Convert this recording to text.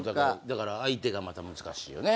だから相手がまた難しいよね。